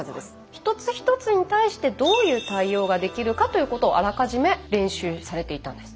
一つ一つに対してどういう対応ができるかということをあらかじめ練習されていたんです。